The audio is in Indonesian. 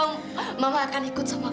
pokoknya mama akan nempel sama kamu